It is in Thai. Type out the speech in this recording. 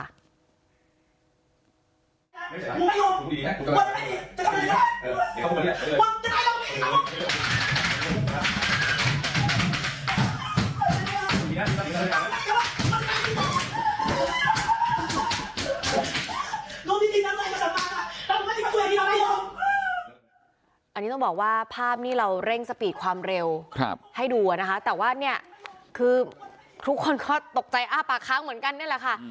อันนี้ต้องบอกว่าภาพนี้เราเร่งสปีดความเร็วให้ดูนะคะแต่ว่าเนี่ยคือทุกคนก็ตกใจอ้าปากค้างเหมือนกันนี่แหละค่ะ